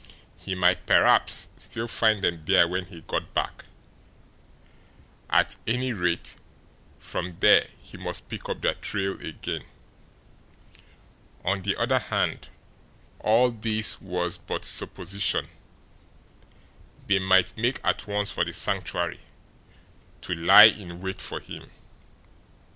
He might perhaps still find them there when he got back; at any rate, from there he must pick up their trail again. On the other hand all this was but supposition they might make at once for the Sanctuary to lie in wait for him.